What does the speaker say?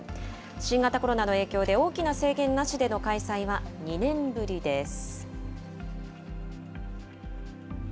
新型コロナの影響で大きな制限なしでの開催は２年ぶりです。